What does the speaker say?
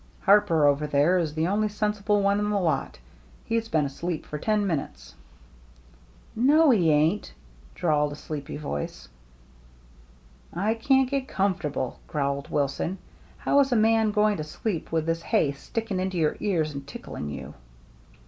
Harper, over there, is the only sensible one in the lot. He's been asleep for ten minutes." " No, he ain't," drawled a sleepy voice. " I can't get comfortable," growled Wilson. " How is a man going to sleep with this hay sticking into your ears and tickling you